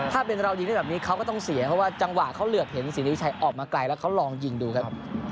ถ้าเป็นเรายิงได้แบบนี้เขาก็ต้องเสียเพราะว่าจังหวะเขาเหลือบเห็นศรีริวิชัยออกมาไกลแล้วเขาลองยิงดูครับ